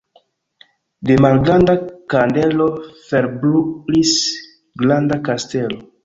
De malgranda kandelo forbrulis granda kastelo.